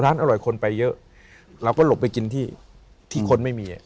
ร้านอร่อยคนไปเยอะเราก็หลบไปกินที่คนไม่มี